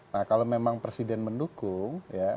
nah kalau memang presiden mendukung ya